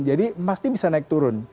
jadi emas ini bisa naik turun